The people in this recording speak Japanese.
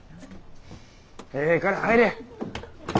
・ええから入れ。